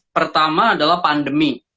pertama adalah pandemi